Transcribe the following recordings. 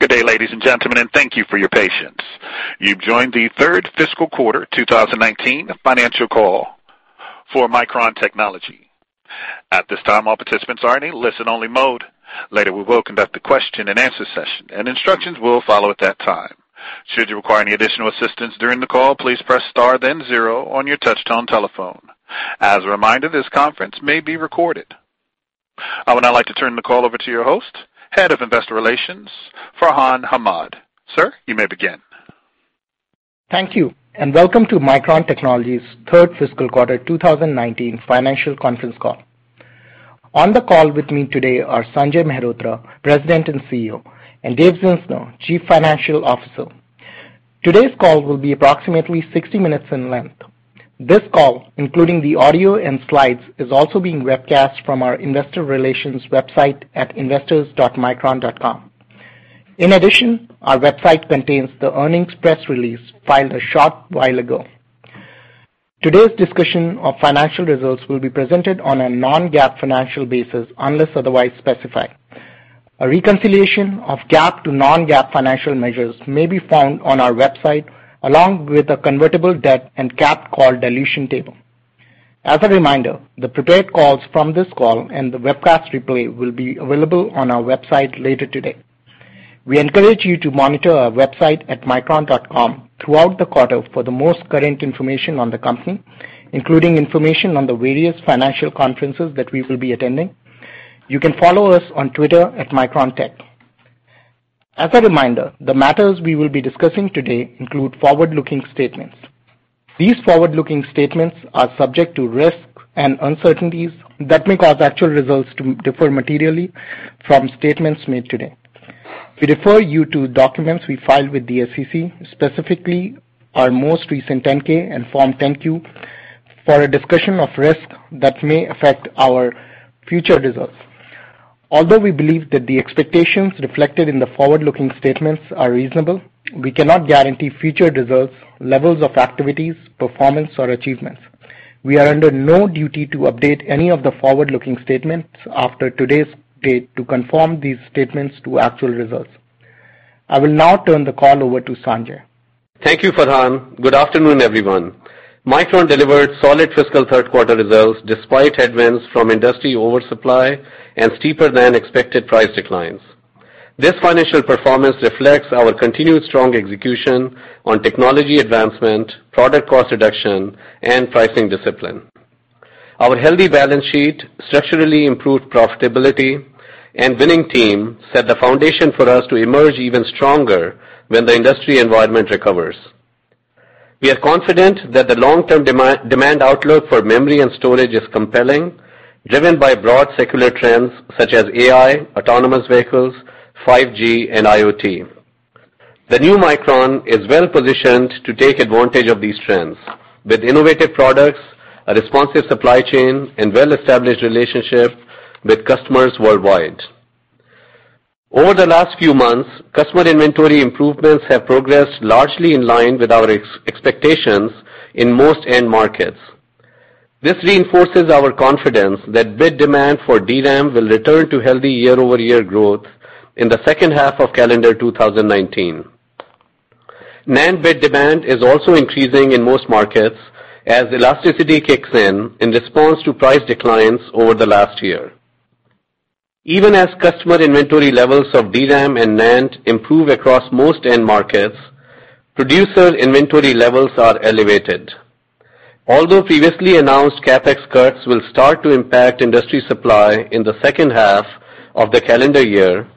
Good day, ladies and gentlemen, and thank you for your patience. You've joined the third fiscal quarter 2019 financial call for Micron Technology. At this time, all participants are in a listen-only mode. Later, we will conduct a question-and-answer session, and instructions will follow at that time. Should you require any additional assistance during the call, please press star then zero on your touchtone telephone. As a reminder, this conference may be recorded. I would now like to turn the call over to your host, Head of Investor Relations, Farhan Ahmad. Sir, you may begin. Thank you, and welcome to Micron Technology's third fiscal quarter 2019 financial conference call. On the call with me today are Sanjay Mehrotra, President and CEO, and Dave Zinsner, Chief Financial Officer. Today's call will be approximately 60 minutes in length. This call, including the audio and slides, is also being webcast from our investor relations website at investors.micron.com. In addition, our website contains the earnings press release filed a short while ago. Today's discussion of financial results will be presented on a non-GAAP financial basis unless otherwise specified. A reconciliation of GAAP to non-GAAP financial measures may be found on our website, along with a convertible debt and GAAP call dilution table. As a reminder, the prepared calls from this call and the webcast replay will be available on our website later today. We encourage you to monitor our website at micron.com throughout the quarter for the most current information on the company, including information on the various financial conferences that we will be attending. You can follow us on Twitter at MicronTech. As a reminder, the matters we will be discussing today include forward-looking statements. These forward-looking statements are subject to risks and uncertainties that may cause actual results to differ materially from statements made today. We refer you to documents we filed with the SEC, specifically our most recent 10-K and Form 10-Q, for a discussion of risks that may affect our future results. Although we believe that the expectations reflected in the forward-looking statements are reasonable, we cannot guarantee future results, levels of activities, performance, or achievements. We are under no duty to update any of the forward-looking statements after today's date to confirm these statements to actual results. I will now turn the call over to Sanjay. Thank you, Farhan. Good afternoon, everyone. Micron delivered solid fiscal third-quarter results despite headwinds from industry oversupply and steeper-than-expected price declines. This financial performance reflects our continued strong execution on technology advancement, product cost reduction, and pricing discipline. Our healthy balance sheet, structurally improved profitability, and winning team set the foundation for us to emerge even stronger when the industry environment recovers. We are confident that the long-term demand outlook for memory and storage is compelling, driven by broad secular trends such as AI, autonomous vehicles, 5G, and IoT. The new Micron is well-positioned to take advantage of these trends with innovative products, a responsive supply chain, and well-established relationships with customers worldwide. Over the last few months, customer inventory improvements have progressed largely in line with our expectations in most end markets. This reinforces our confidence that bit demand for DRAM will return to healthy year-over-year growth in the second half of calendar 2019. NAND bit demand is also increasing in most markets as elasticity kicks in response to price declines over the last year. Even as customer inventory levels of DRAM and NAND improve across most end markets, producer inventory levels are elevated. Although previously announced CapEx cuts will start to impact industry supply in the second half of the calendar year,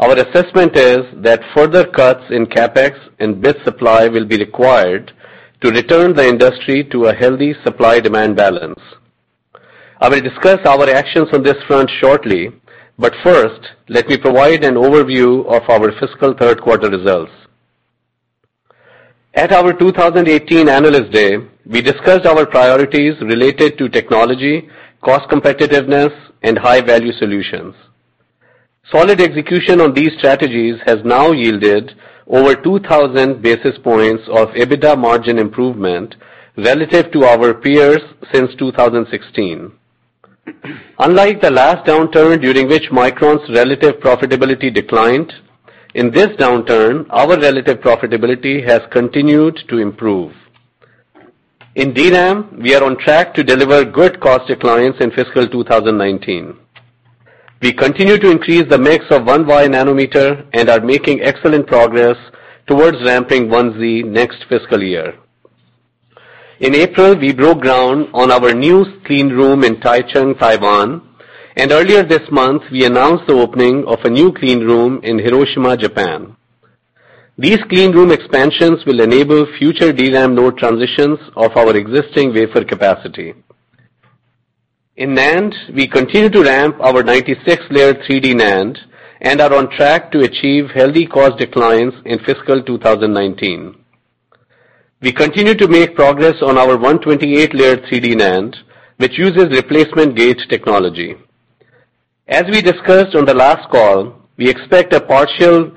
our assessment is that further cuts in CapEx and bit supply will be required to return the industry to a healthy supply-demand balance. I will discuss our actions on this front shortly, but first, let me provide an overview of our fiscal third-quarter results. At our 2018 Analyst Day, we discussed our priorities related to technology, cost competitiveness, and high-value solutions. Solid execution on these strategies has now yielded over 2,000 basis points of EBITDA margin improvement relative to our peers since 2016. Unlike the last downturn, during which Micron's relative profitability declined, in this downturn, our relative profitability has continued to improve. In DRAM, we are on track to deliver good cost declines in fiscal 2019. We continue to increase the mix of 1Y nanometer and are making excellent progress towards ramping 1Z next fiscal year. In April, we broke ground on our new clean room in Taichung, Taiwan, and earlier this month, we announced the opening of a new clean room in Hiroshima, Japan. These clean room expansions will enable future DRAM node transitions of our existing wafer capacity. In NAND, we continue to ramp our 96-layer 3D NAND and are on track to achieve healthy cost declines in fiscal 2019. We continue to make progress on our 128-layer 3D NAND, which uses replacement gate technology. As we discussed on the last call, we expect a partial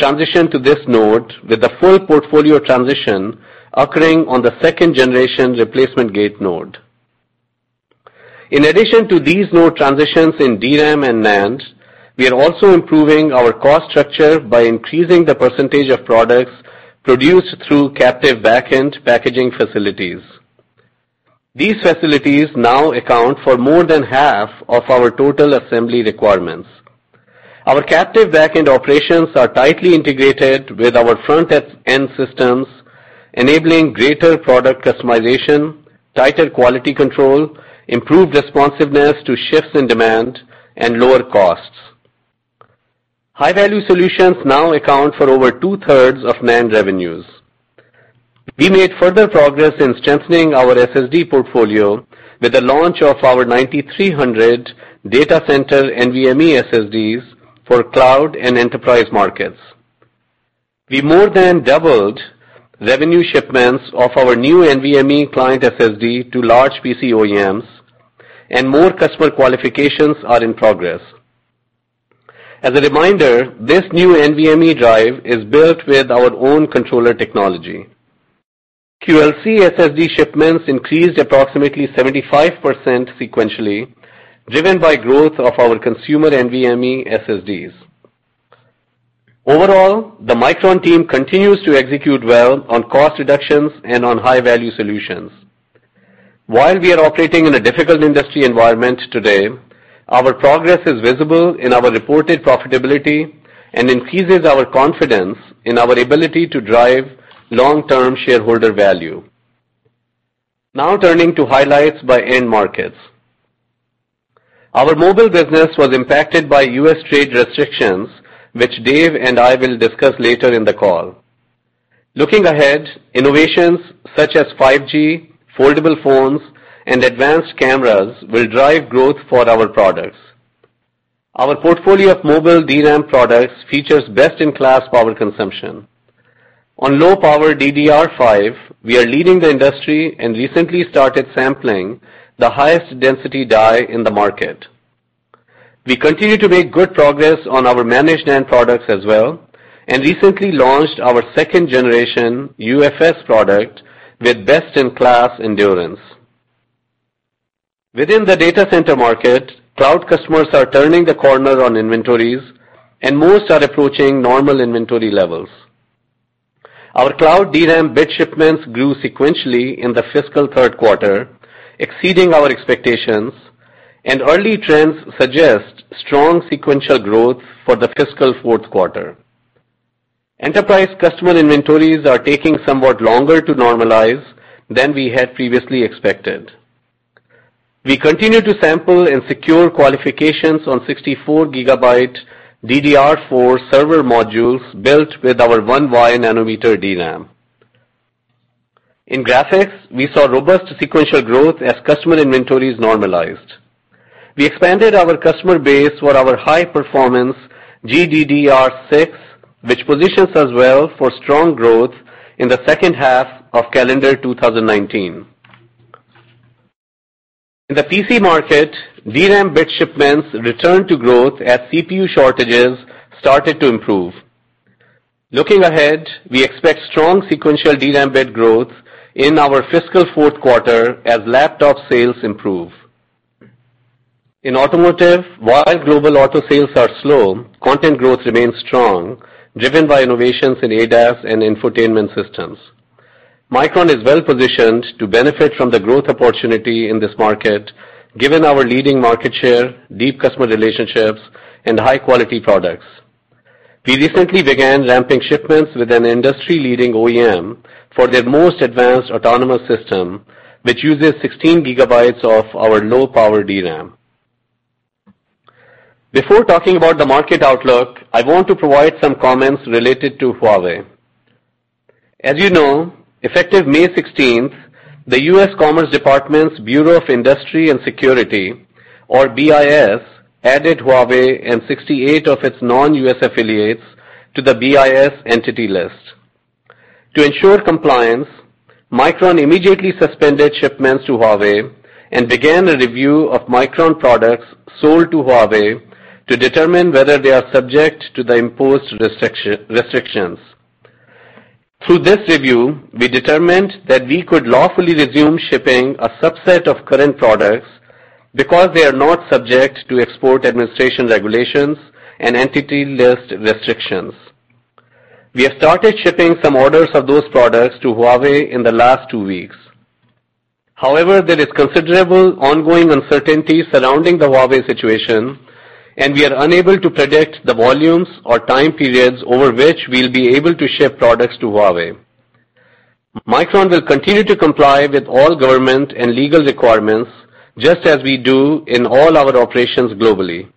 transition to this node with the full portfolio transition occurring on the second-generation replacement gate node. In addition to these node transitions in DRAM and NAND, we are also improving our cost structure by increasing the percentage of products produced through captive back-end packaging facilities. These facilities now account for more than half of our total assembly requirements. Our captive back-end operations are tightly integrated with our front-end systems, enabling greater product customization, tighter quality control, improved responsiveness to shifts in demand, and lower costs. High-value solutions now account for over two-thirds of NAND revenues. We made further progress in strengthening our SSD portfolio with the launch of our 9300 data center NVMe SSDs for cloud and enterprise markets. We more than doubled revenue shipments of our new NVMe client SSD to large PC OEMs, and more customer qualifications are in progress. As a reminder, this new NVMe drive is built with our own controller technology. QLC SSD shipments increased approximately 75% sequentially, driven by growth of our consumer NVMe SSDs. Overall, the Micron team continues to execute well on cost reductions and on high-value solutions. While we are operating in a difficult industry environment today, our progress is visible in our reported profitability and increases our confidence in our ability to drive long-term shareholder value. Now turning to highlights by end markets. Our mobile business was impacted by U.S. trade restrictions, which Dave and I will discuss later in the call. Looking ahead, innovations such as 5G, foldable phones, and advanced cameras will drive growth for our products. Our portfolio of mobile DRAM products features best-in-class power consumption. On low-power DDR5, we are leading the industry and recently started sampling the highest density die in the market. We continue to make good progress on our Managed NAND products as well, and recently launched our second generation UFS product with best-in-class endurance. Within the data center market, cloud customers are turning the corner on inventories, and most are approaching normal inventory levels. Our cloud DRAM bit shipments grew sequentially in the fiscal third quarter, exceeding our expectations, and early trends suggest strong sequential growth for the fiscal fourth quarter. Enterprise customer inventories are taking somewhat longer to normalize than we had previously expected. We continue to sample and secure qualifications on 64 gigabyte DDR4 server modules built with our 1Y nanometer DRAM. In graphics, we saw robust sequential growth as customer inventories normalized. We expanded our customer base for our high-performance GDDR6, which positions us well for strong growth in the second half of calendar 2019. In the PC market, DRAM bit shipments returned to growth as CPU shortages started to improve. Looking ahead, we expect strong sequential DRAM bit growth in our fiscal fourth quarter as laptop sales improve. In automotive, while global auto sales are slow, content growth remains strong, driven by innovations in ADAS and infotainment systems. Micron is well-positioned to benefit from the growth opportunity in this market given our leading market share, deep customer relationships, and high-quality products. We recently began ramping shipments with an industry-leading OEM for their most advanced autonomous system, which uses 16 gigabytes of our low-power DRAM. Before talking about the market outlook, I want to provide some comments related to Huawei. As you know, effective May 16th, the U.S. Commerce Department's Bureau of Industry and Security, or BIS, added Huawei and 68 of its non-U.S. affiliates to the BIS Entity List. To ensure compliance, Micron immediately suspended shipments to Huawei and began a review of Micron products sold to Huawei to determine whether they are subject to the imposed restrictions. Through this review, we determined that we could lawfully resume shipping a subset of current products because they are not subject to Export Administration Regulations and Entity List restrictions. We have started shipping some orders of those products to Huawei in the last two weeks. However, there is considerable ongoing uncertainty surrounding the Huawei situation, and we are unable to predict the volumes or time periods over which we'll be able to ship products to Huawei. Micron will continue to comply with all government and legal requirements, just as we do in all our operations globally.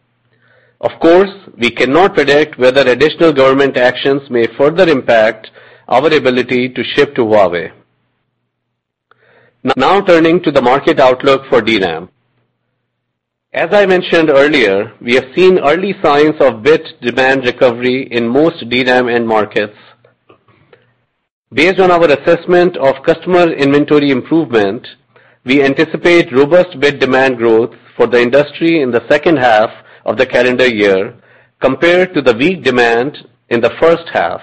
Of course, we cannot predict whether additional government actions may further impact our ability to ship to Huawei. Now turning to the market outlook for DRAM. As I mentioned earlier, we have seen early signs of bit demand recovery in most DRAM end markets. Based on our assessment of customer inventory improvement, we anticipate robust bit demand growth for the industry in the second half of the calendar year compared to the weak demand in the first half.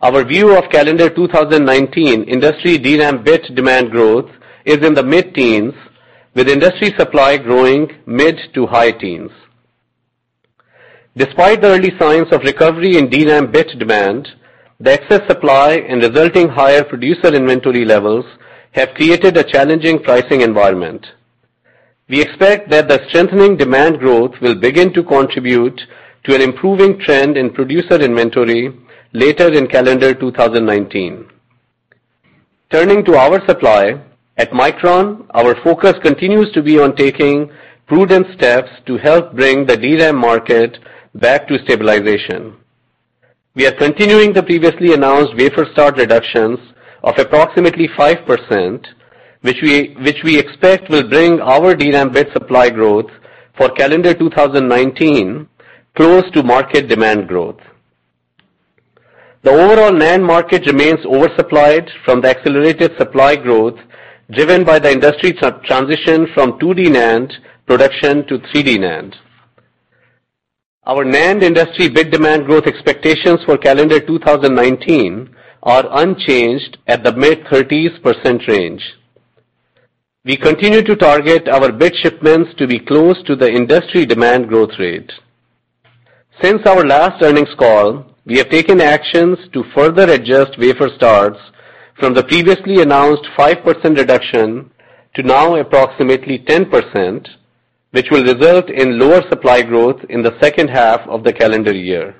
Our view of calendar 2019 industry DRAM bit demand growth is in the mid-teens, with industry supply growing mid to high teens. Despite the early signs of recovery in DRAM bit demand, the excess supply and resulting higher producer inventory levels have created a challenging pricing environment. We expect that the strengthening demand growth will begin to contribute to an improving trend in producer inventory later in calendar 2019. Turning to our supply, at Micron, our focus continues to be on taking prudent steps to help bring the DRAM market back to stabilization. We are continuing the previously announced wafer start reductions of approximately 5%, which we expect will bring our DRAM bit supply growth for calendar 2019 close to market demand growth. The overall NAND market remains oversupplied from the accelerated supply growth, driven by the industry transition from 2D NAND production to 3D NAND. Our NAND industry bit demand growth expectations for calendar 2019 are unchanged at the mid-thirties percent range. We continue to target our bit shipments to be close to the industry demand growth rate. Since our last earnings call, we have taken actions to further adjust wafer starts from the previously announced 5% reduction to now approximately 10%, which will result in lower supply growth in the second half of the calendar year.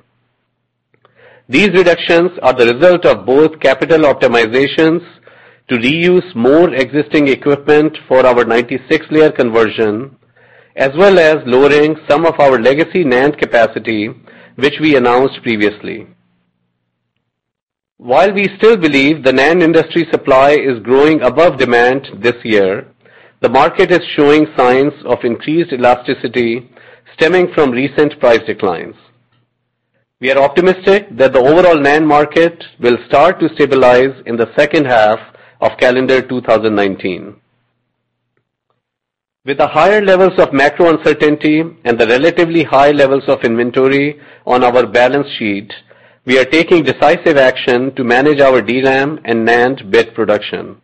These reductions are the result of both capital optimizations to reuse more existing equipment for our 96-layer conversion, as well as lowering some of our legacy NAND capacity, which we announced previously. While we still believe the NAND industry supply is growing above demand this year, the market is showing signs of increased elasticity stemming from recent price declines. We are optimistic that the overall NAND market will start to stabilize in the second half of calendar 2019. With the higher levels of macro uncertainty and the relatively high levels of inventory on our balance sheet, we are taking decisive action to manage our DRAM and NAND bit production.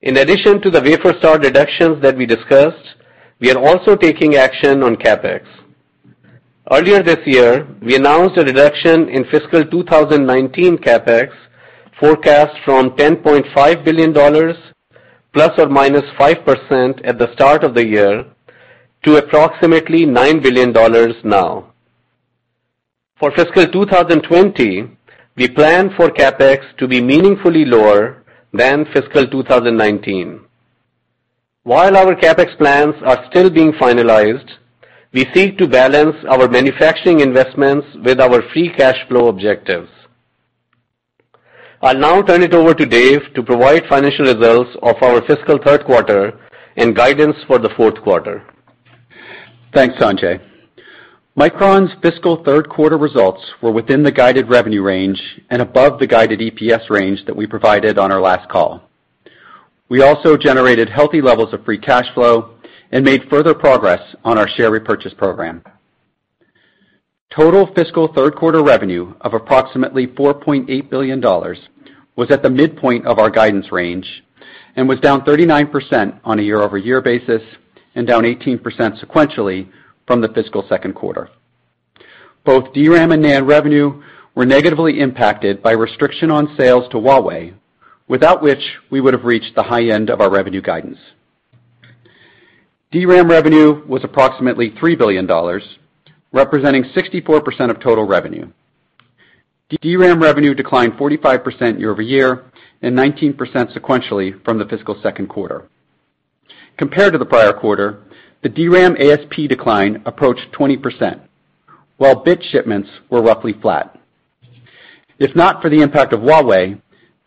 In addition to the wafer start reductions that we discussed, we are also taking action on CapEx. Earlier this year, we announced a reduction in fiscal 2019 CapEx forecast from $10.5 billion ±5% at the start of the year to approximately $9 billion now. For fiscal 2020, we plan for CapEx to be meaningfully lower than fiscal 2019. While our CapEx plans are still being finalized, we seek to balance our manufacturing investments with our free cash flow objectives. I'll now turn it over to Dave to provide financial results of our fiscal third quarter and guidance for the fourth quarter. Thanks, Sanjay. Micron's fiscal third quarter results were within the guided revenue range and above the guided EPS range that we provided on our last call. We also generated healthy levels of free cash flow and made further progress on our share repurchase program. Total fiscal third quarter revenue of approximately $4.8 billion was at the midpoint of our guidance range and was down 39% on a year-over-year basis and down 18% sequentially from the fiscal second quarter. Both DRAM and NAND revenue were negatively impacted by restriction on sales to Huawei, without which we would have reached the high end of our revenue guidance. DRAM revenue was approximately $3 billion, representing 64% of total revenue. DRAM revenue declined 45% year-over-year and 19% sequentially from the fiscal second quarter. Compared to the prior quarter, the DRAM ASP decline approached 20%, while bit shipments were roughly flat. If not for the impact of Huawei,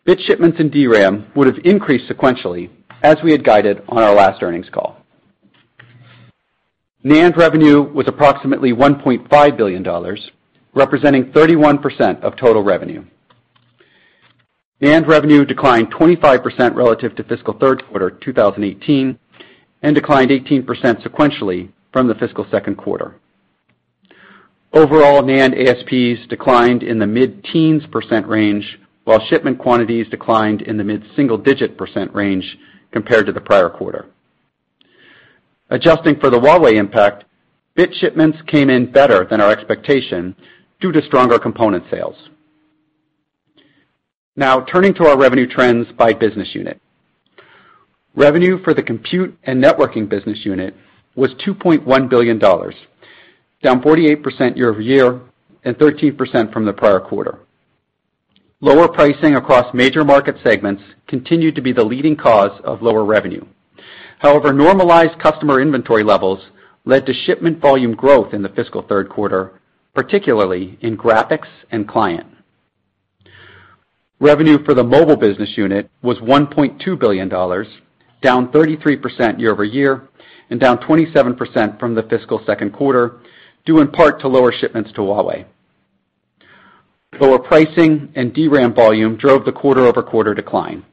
bit shipments in DRAM would have increased sequentially as we had guided on our last earnings call. NAND revenue was approximately $1.5 billion, representing 31% of total revenue. NAND revenue declined 25% relative to fiscal third quarter 2018 and declined 18% sequentially from the fiscal second quarter. Overall, NAND ASPs declined in the mid-teens % range, while shipment quantities declined in the mid-single digit % range compared to the prior quarter. Adjusting for the Huawei impact, bit shipments came in better than our expectation due to stronger component sales. Turning to our revenue trends by business unit. Revenue for the compute and networking business unit was $2.1 billion, down 48% year-over-year and 13% from the prior quarter. Lower pricing across major market segments continued to be the leading cause of lower revenue. Normalized customer inventory levels led to shipment volume growth in the fiscal third quarter, particularly in graphics and client. Revenue for the mobile business unit was $1.2 billion, down 33% year-over-year and down 27% from the fiscal second quarter, due in part to lower shipments to Huawei. Lower pricing and DRAM volume drove the quarter-over-quarter decline.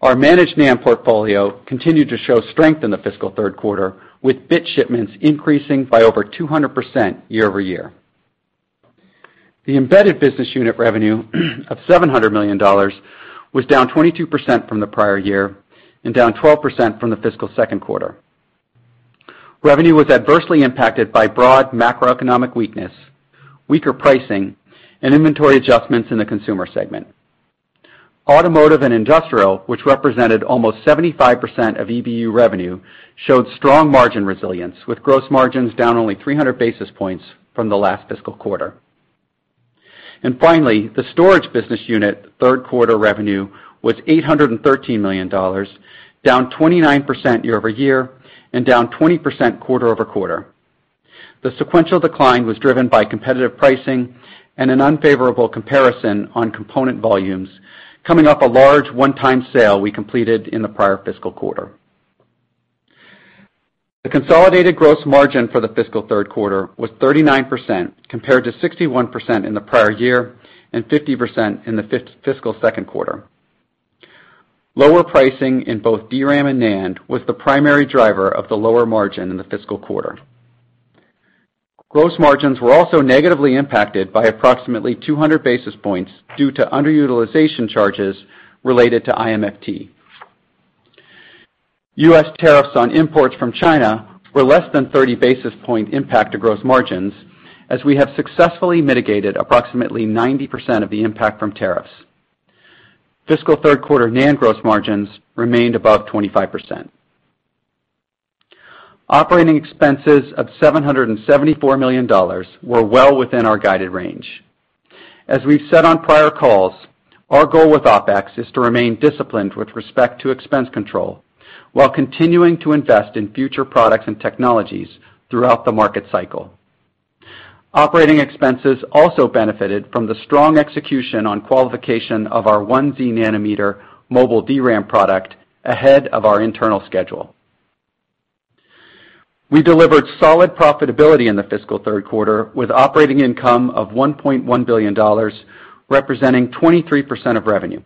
Our Managed NAND portfolio continued to show strength in the fiscal third quarter, with bit shipments increasing by over 200% year-over-year. The embedded business unit revenue of $700 million was down 22% from the prior year and down 12% from the fiscal second quarter. Revenue was adversely impacted by broad macroeconomic weakness, weaker pricing, and inventory adjustments in the consumer segment. Automotive and industrial, which represented almost 75% of EBU revenue, showed strong margin resilience, with gross margins down only 300 basis points from the last fiscal quarter. Finally, the storage business unit third quarter revenue was $813 million, down 29% year-over-year and down 20% quarter-over-quarter. The sequential decline was driven by competitive pricing and an unfavorable comparison on component volumes, coming off a large one-time sale we completed in the prior fiscal quarter. The consolidated gross margin for the fiscal third quarter was 39%, compared to 61% in the prior year and 50% in the fiscal second quarter. Lower pricing in both DRAM and NAND was the primary driver of the lower margin in the fiscal quarter. Gross margins were also negatively impacted by approximately 200 basis points due to underutilization charges related to IMFT. U.S. tariffs on imports from China were less than 30 basis point impact to gross margins, as we have successfully mitigated approximately 90% of the impact from tariffs. Fiscal third-quarter NAND gross margins remained above 25%. Operating expenses of $774 million were well within our guided range. As we've said on prior calls, our goal with OpEx is to remain disciplined with respect to expense control while continuing to invest in future products and technologies throughout the market cycle. Operating expenses also benefited from the strong execution on qualification of our 1Z nanometer mobile DRAM product ahead of our internal schedule. We delivered solid profitability in the fiscal third quarter with operating income of $1.1 billion, representing 23% of revenue.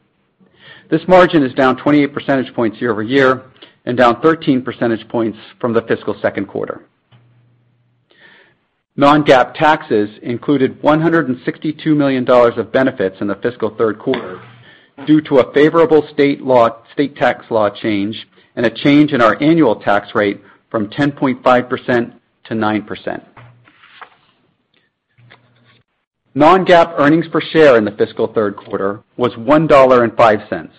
This margin is down 28 percentage points year-over-year and down 13 percentage points from the fiscal second quarter. Non-GAAP taxes included $162 million of benefits in the fiscal third quarter due to a favorable state tax law change and a change in our annual tax rate from 10.5% to 9%. Non-GAAP earnings per share in the fiscal third quarter was $1.05,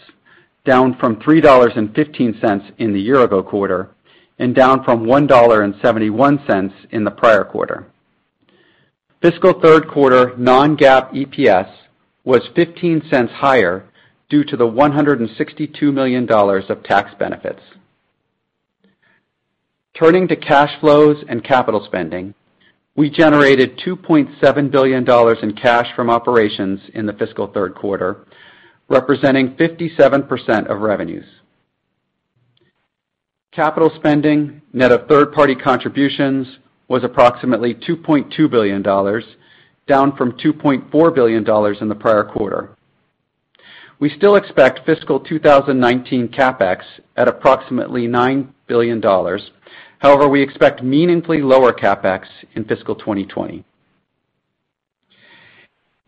down from $3.15 in the year-ago quarter and down from $1.71 in the prior quarter. Fiscal third-quarter non-GAAP EPS was $0.15 higher due to the $162 million of tax benefits. Turning to cash flows and capital spending, we generated $2.7 billion in cash from operations in the fiscal third quarter, representing 57% of revenues. Capital spending net of third-party contributions was approximately $2.2 billion, down from $2.4 billion in the prior quarter. We still expect fiscal 2019 CapEx at approximately $9 billion. We expect meaningfully lower CapEx in fiscal 2020.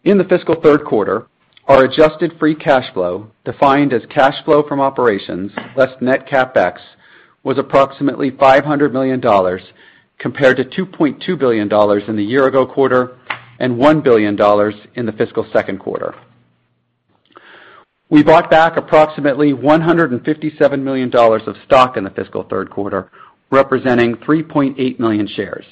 In the fiscal third quarter, our adjusted free cash flow, defined as cash flow from operations less net CapEx, was approximately $500 million, compared to $2.2 billion in the year-ago quarter and $1 billion in the fiscal second quarter. We bought back approximately $157 million of stock in the fiscal third quarter, representing 3.8 million shares.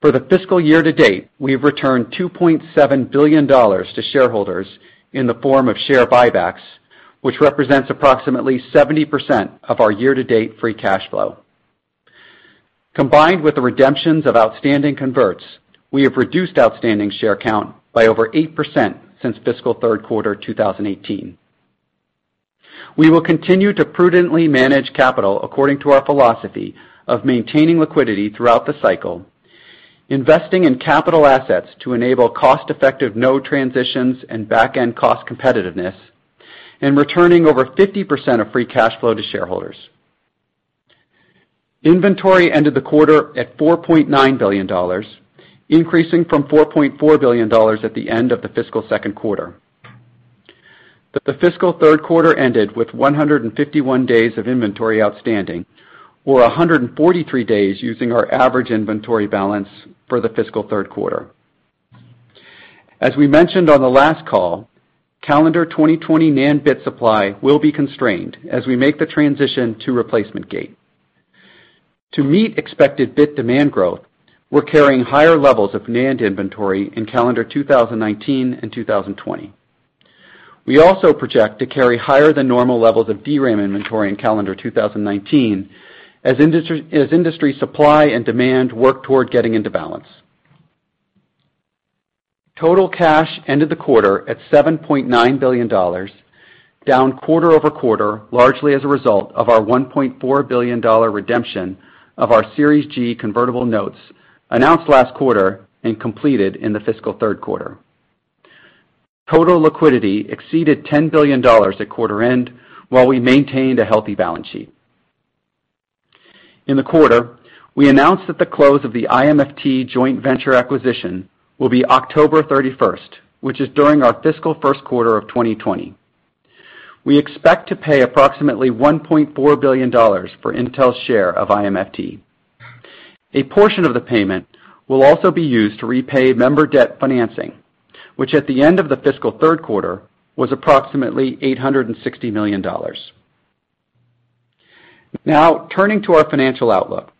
For the fiscal year-to-date, we have returned $2.7 billion to shareholders in the form of share buybacks, which represents approximately 70% of our year-to-date free cash flow. Combined with the redemptions of outstanding converts, we have reduced outstanding share count by over 8% since fiscal third quarter 2018. We will continue to prudently manage capital according to our philosophy of maintaining liquidity throughout the cycle, investing in capital assets to enable cost-effective node transitions and back-end cost competitiveness, and returning over 50% of free cash flow to shareholders. Inventory ended the quarter at $4.9 billion, increasing from $4.4 billion at the end of the fiscal second quarter. The fiscal third quarter ended with 151 days of inventory outstanding, or 143 days using our average inventory balance for the fiscal third quarter. As we mentioned on the last call, calendar 2020 NAND bit supply will be constrained as we make the transition to replacement gate. To meet expected bit demand growth, we're carrying higher levels of NAND inventory in calendar 2019 and 2020. We also project to carry higher than normal levels of DRAM inventory in calendar 2019 as industry supply and demand work toward getting into balance. Total cash ended the quarter at $7.9 billion, down quarter-over-quarter, largely as a result of our $1.4 billion redemption of our Series G convertible notes announced last quarter and completed in the fiscal third quarter. Total liquidity exceeded $10 billion at quarter end, while we maintained a healthy balance sheet. In the quarter, we announced that the close of the IMFT joint venture acquisition will be October 31st, which is during our fiscal first quarter of 2020. We expect to pay approximately $1.4 billion for Intel's share of IMFT. A portion of the payment will also be used to repay member debt financing, which at the end of the fiscal third quarter was approximately $860 million. Turning to our financial outlook.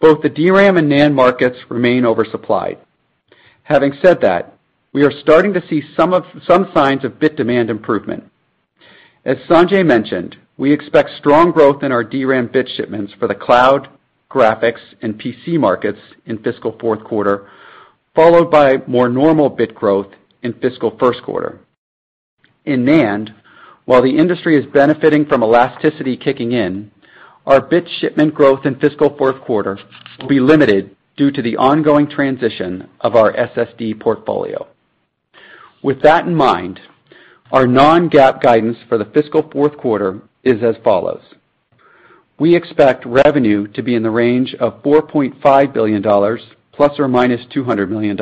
Both the DRAM and NAND markets remain oversupplied. Having said that, we are starting to see some signs of bit demand improvement. As Sanjay mentioned, we expect strong growth in our DRAM bit shipments for the cloud, graphics, and PC markets in fiscal fourth quarter, followed by more normal bit growth in fiscal first quarter. In NAND, while the industry is benefiting from elasticity kicking in, our bit shipment growth in fiscal fourth quarter will be limited due to the ongoing transition of our SSD portfolio. With that in mind, our non-GAAP guidance for the fiscal fourth quarter is as follows. We expect revenue to be in the range of $4.5 billion ±$200 million,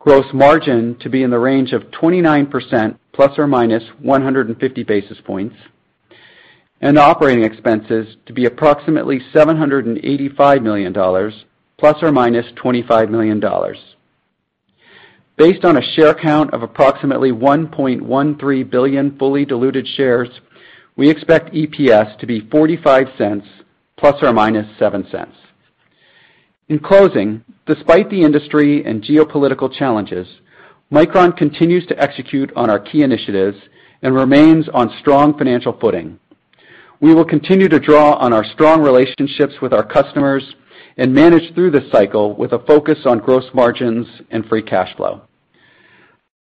gross margin to be in the range of 29% ±150 basis points, and operating expenses to be approximately $785 million ±$25 million. Based on a share count of approximately 1.13 billion fully diluted shares, we expect EPS to be $0.45 ±$0.07. In closing, despite the industry and geopolitical challenges, Micron continues to execute on our key initiatives and remains on strong financial footing. We will continue to draw on our strong relationships with our customers and manage through this cycle with a focus on gross margins and free cash flow.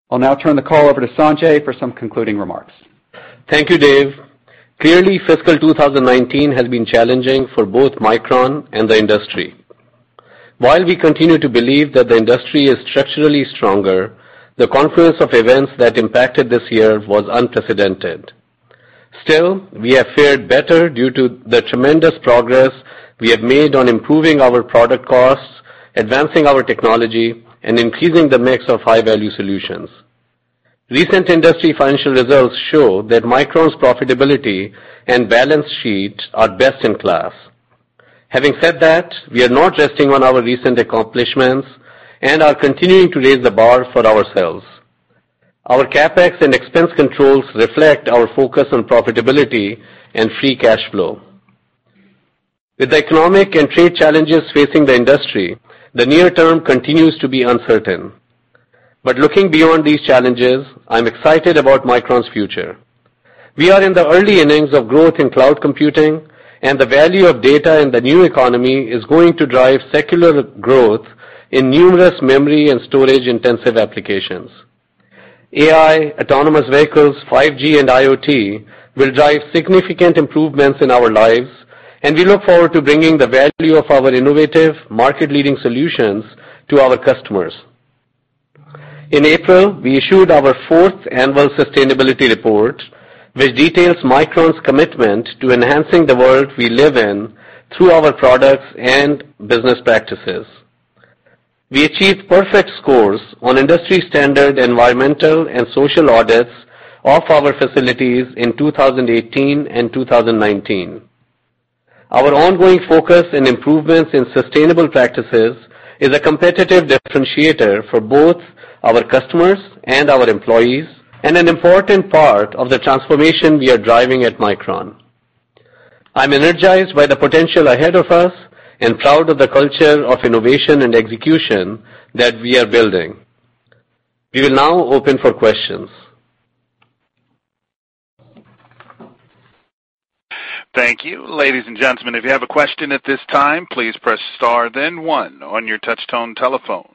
I'll now turn the call over to Sanjay for some concluding remarks. Thank you, Dave. Clearly, fiscal 2019 has been challenging for both Micron and the industry. While we continue to believe that the industry is structurally stronger, the confluence of events that impacted this year was unprecedented. Still, we have fared better due to the tremendous progress we have made on improving our product costs, advancing our technology, and increasing the mix of high-value solutions. Recent industry financial results show that Micron's profitability and balance sheet are best in class. Having said that, we are not resting on our recent accomplishments and are continuing to raise the bar for ourselves. Our CapEx and expense controls reflect our focus on profitability and free cash flow. Looking beyond these challenges, I'm excited about Micron's future. We are in the early innings of growth in cloud computing, and the value of data in the new economy is going to drive secular growth in numerous memory and storage-intensive applications. AI, autonomous vehicles, 5G, and IoT will drive significant improvements in our lives, and we look forward to bringing the value of our innovative market-leading solutions to our customers. In April, we issued our fourth annual sustainability report, which details Micron's commitment to enhancing the world we live in through our products and business practices. We achieved perfect scores on industry standard environmental and social audits of our facilities in 2018 and 2019. Our ongoing focus and improvements in sustainable practices is a competitive differentiator for both our customers and our employees and an important part of the transformation we are driving at Micron. I'm energized by the potential ahead of us and proud of the culture of innovation and execution that we are building. We will now open for questions. Thank you. Ladies and gentlemen, if you have a question at this time, please press star one on your touchtone telephone.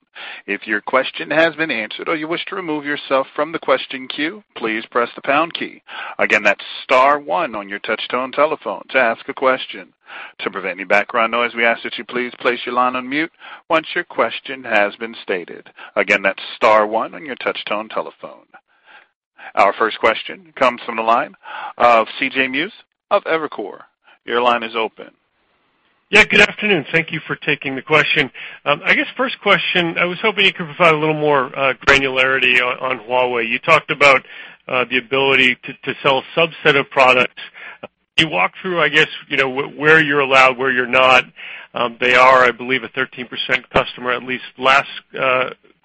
If your question has been answered or you wish to remove yourself from the question queue, please press the pound key. Again, that's star one on your touchtone telephone to ask a question. To prevent any background noise, we ask that you please place your line on mute once your question has been stated. Again, that's star one on your touchtone telephone. Our first question comes from the line of C.J. Muse of Evercore. Your line is open. Yeah, good afternoon. Thank you for taking the question. I guess first question, I was hoping you could provide a little more granularity on Huawei. You talked about the ability to sell a subset of products. Can you walk through, I guess, where you're allowed, where you're not. They are, I believe, a 13% customer, at least last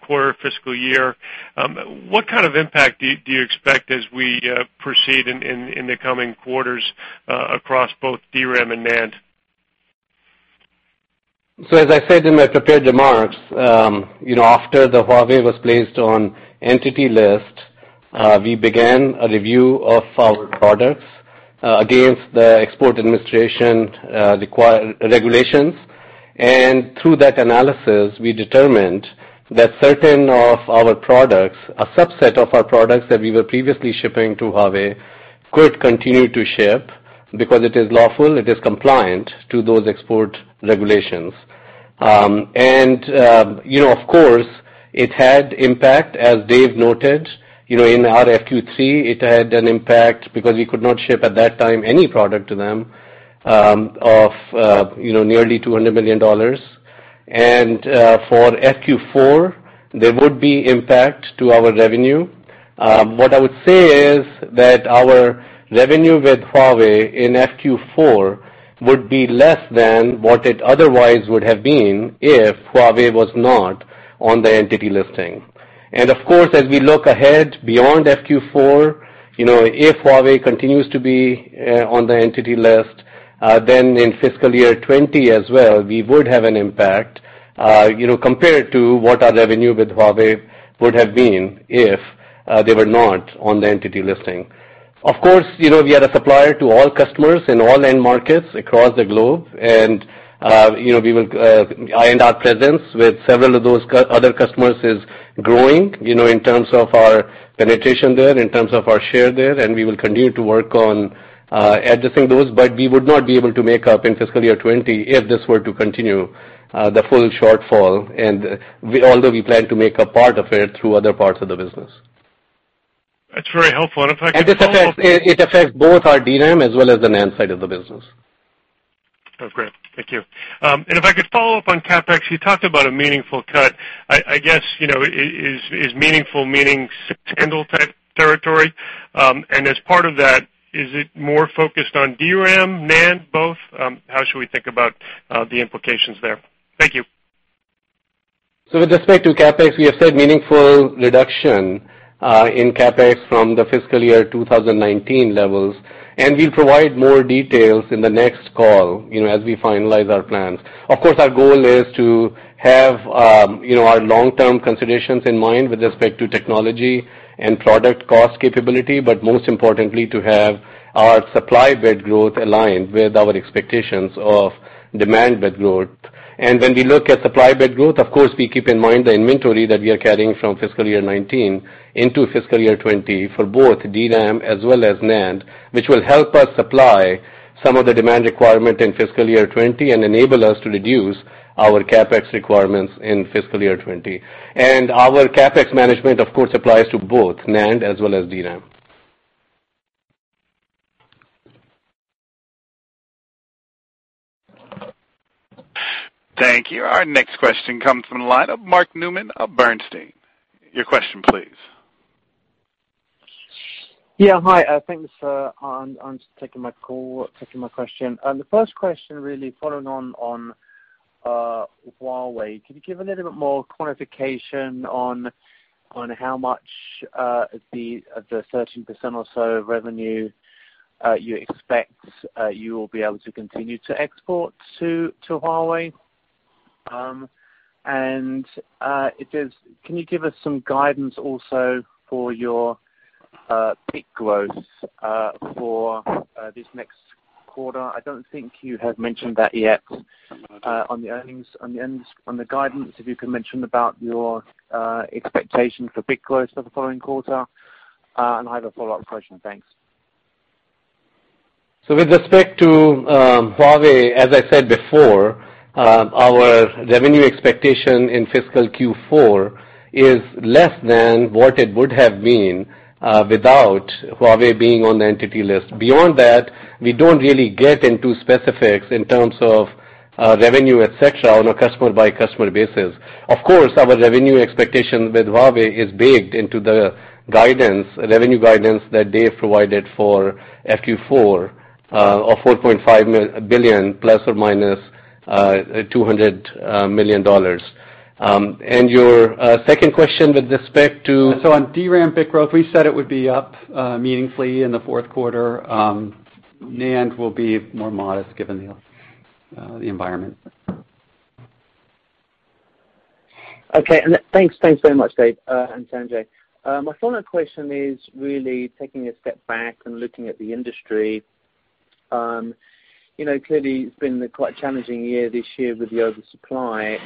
quarter fiscal year. What kind of impact do you expect as we proceed in the coming quarters across both DRAM and NAND? As I said in my prepared remarks, after Huawei was placed on Entity List, we began a review of our products against the Export Administration Regulations. Through that analysis, we determined that certain of our products, a subset of our products that we were previously shipping to Huawei could continue to ship because it is lawful, it is compliant to those export regulations. Of course, it had impact, as Dave noted, in our FQ3, it had an impact because we could not ship at that time any product to them of nearly $200 million. For FQ4, there would be impact to our revenue. What I would say is that our revenue with Huawei in FQ4 would be less than what it otherwise would have been if Huawei was not on the Entity List. Of course, as we look ahead beyond FQ4, if Huawei continues to be on the Entity List, then in fiscal year 2020 as well, we would have an impact, compared to what our revenue with Huawei would have been if they were not on the Entity List. Of course, we are a supplier to all customers in all end markets across the globe, and our presence with several of those other customers is growing, in terms of our penetration there, in terms of our share there, and we will continue to work on addressing those. We would not be able to make up in fiscal year 2020 if this were to continue, the full shortfall, although we plan to make a part of it through other parts of the business. That's very helpful. If I could follow up. It affects both our DRAM as well as the NAND side of the business. Great. Thank you. If I could follow up on CapEx, you talked about a meaningful cut. I guess, is meaningful meaning six-handle type territory? As part of that, is it more focused on DRAM, NAND, both? How should we think about the implications there? Thank you. With respect to CapEx, we have said meaningful reduction in CapEx from the fiscal year 2019 levels, we'll provide more details in the next call, as we finalize our plans. Of course, our goal is to have our long-term considerations in mind with respect to technology and product cost capability, but most importantly, to have our supply bit growth aligned with our expectations of demand bit growth. When we look at supply bit growth, of course, we keep in mind the inventory that we are carrying from fiscal year 2019 into fiscal year 2020 for both DRAM as well as NAND, which will help us supply some of the demand requirement in fiscal year 2020 and enable us to reduce our CapEx requirements in fiscal year 2020. Our CapEx management, of course, applies to both NAND as well as DRAM. Thank you. Our next question comes from the line of Mark Newman of Bernstein. Your question, please. Yeah, hi. Thanks for taking my call, taking my question. The first question, really following on Huawei, could you give a little bit more quantification on how much of the 13% or so revenue you expect you will be able to continue to export to Huawei? Can you give us some guidance also for your bit growth for this next quarter? I don't think you have mentioned that yet on the guidance. If you can mention about your expectations for bit growth for the following quarter. I have a follow-up question. Thanks. With respect to Huawei, as I said before, our revenue expectation in fiscal Q4 is less than what it would have been without Huawei being on the Entity List. Beyond that, we don't really get into specifics in terms of revenue, et cetera, on a customer-by-customer basis. Of course, our revenue expectation with Huawei is baked into the revenue guidance that Dave provided for FQ4 of $4.5 billion ±$200 million. On DRAM bit growth, we said it would be up meaningfully in the fourth quarter. NAND will be more modest given the environment. Okay. Thanks very much, Dave and Sanjay. My follow-up question is really taking a step back and looking at the industry. Clearly, it's been a quite challenging year this year with the oversupply.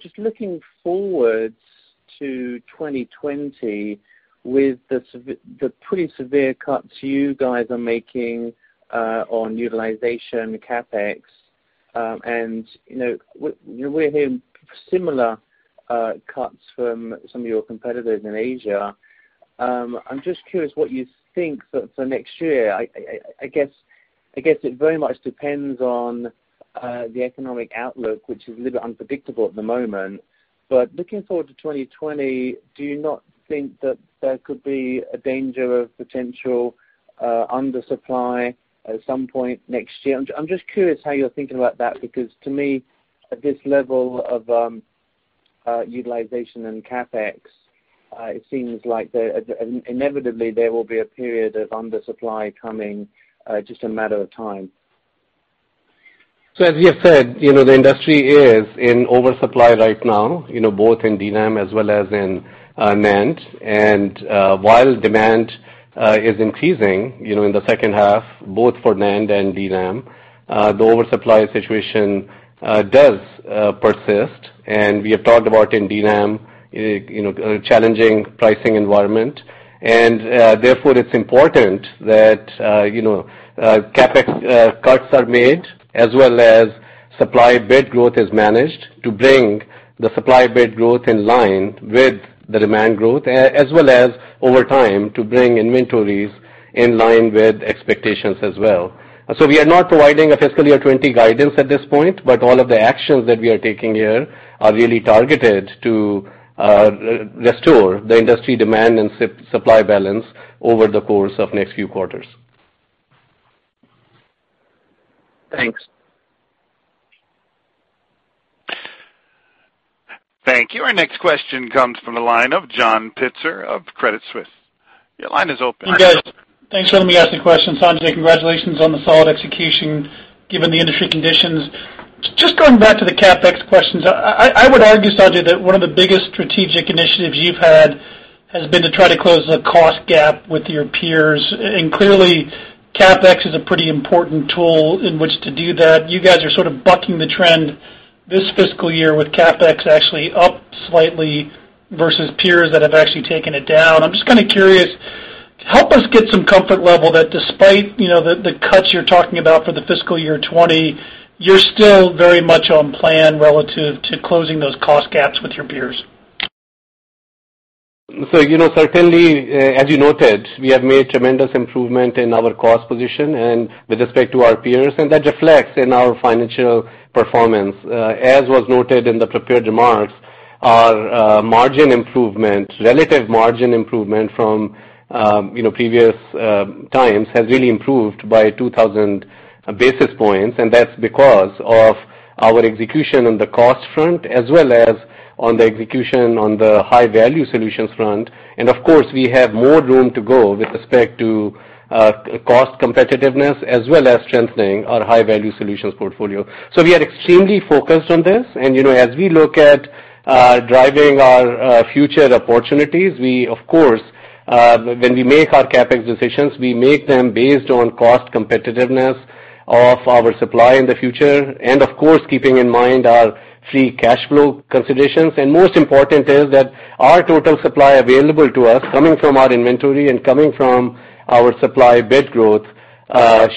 Just looking forward to 2020 with the pretty severe cuts you guys are making on utilization, CapEx, and we're hearing similar cuts from some of your competitors in Asia. I'm just curious what you think for next year. I guess, it very much depends on the economic outlook, which is a little bit unpredictable at the moment. Looking forward to 2020, do you not think that there could be a danger of potential undersupply at some point next year? I'm just curious how you're thinking about that, because to me, at this level of utilization and CapEx, it seems like inevitably there will be a period of undersupply coming, just a matter of time. As we have said, the industry is in oversupply right now, both in DRAM as well as in NAND. While demand is increasing in the second half, both for NAND and DRAM, the oversupply situation does persist. We have talked about in DRAM, a challenging pricing environment. Therefore, it's important that CapEx cuts are made, as well as supply bit growth is managed to bring the supply bit growth in line with the demand growth, as well as over time to bring inventories in line with expectations as well. We are not providing a fiscal year 2020 guidance at this point, but all of the actions that we are taking here are really targeted to restore the industry demand and supply balance over the course of next few quarters. Thanks. Thank you. Our next question comes from the line of John Pitzer of Credit Suisse. Your line is open. Hey, guys. Thanks for letting me ask the question. Sanjay, congratulations on the solid execution given the industry conditions. Just going back to the CapEx questions. I would argue, Sanjay, that one of the biggest strategic initiatives you've had has been to try to close the cost gap with your peers. Clearly, CapEx is a pretty important tool in which to do that. You guys are sort of bucking the trend this fiscal year with CapEx actually up slightly versus peers that have actually taken it down. I'm just kind of curious, help us get some comfort level that despite the cuts you're talking about for the fiscal year 2020, you're still very much on plan relative to closing those cost gaps with your peers. Certainly, as you noted, we have made tremendous improvement in our cost position and with respect to our peers, and that reflects in our financial performance. As was noted in the prepared remarks, our margin improvement, relative margin improvement from previous times, has really improved by 2,000 basis points, and that's because of our execution on the cost front as well as on the execution on the high-value solutions front. Of course, we have more room to go with respect to cost competitiveness, as well as strengthening our high-value solutions portfolio. We are extremely focused on this. As we look at driving our future opportunities, we, of course, when we make our CapEx decisions, we make them based on cost competitiveness of our supply in the future, and of course, keeping in mind our free cash flow considerations. Most important is that our total supply available to us coming from our inventory and coming from our supply bit growth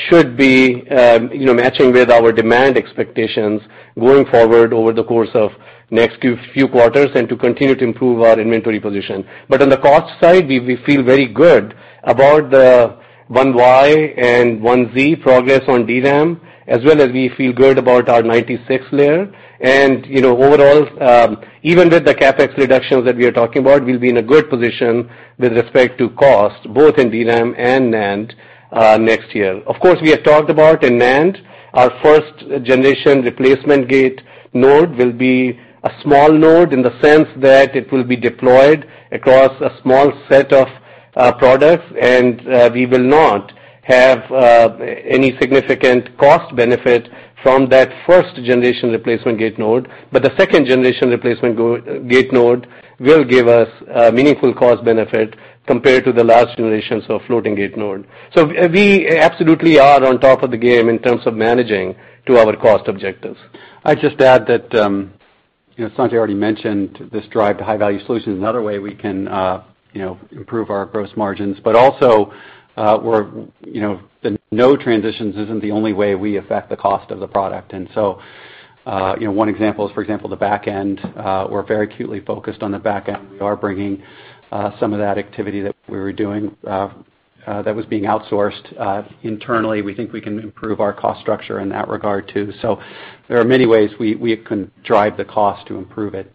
should be matching with our demand expectations going forward over the course of next few quarters and to continue to improve our inventory position. On the cost side, we feel very good about the 1Y and 1Z progress on DRAM, as well as we feel good about our 96-layer. Overall, even with the CapEx reductions that we are talking about, we'll be in a good position with respect to cost, both in DRAM and NAND next year. We have talked about in NAND, our first-generation replacement gate node will be a small node in the sense that it will be deployed across a small set of products, and we will not have any significant cost benefit from that first-generation replacement gate node. The second-generation replacement gate node will give us a meaningful cost benefit compared to the last generations of floating gate node. We absolutely are on top of the game in terms of managing to our cost objectives. I'd just add that, Sanjay already mentioned this drive to high-value solutions, another way we can improve our gross margins. Also, the node transitions isn't the only way we affect the cost of the product. One example is, for example, the back end. We're very acutely focused on the back end. We are bringing some of that activity that we were doing that was being outsourced internally. We think we can improve our cost structure in that regard, too. There are many ways we can drive the cost to improve it.